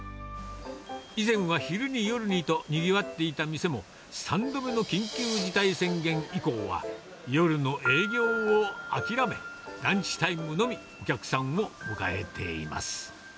以前は昼に、夜にとにぎわっていた店も、３度目の緊急事態宣言以降は、夜の営業を諦め、ランチタイムのみ、お客さんを迎えています。